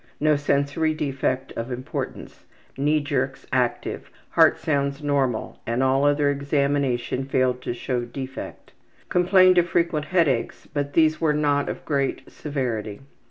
No sensory defect of importance. Knee jerks active. Heart sounds normal, and all other examination failed to show defect. Complained of frequent headaches, but these were not of great severity.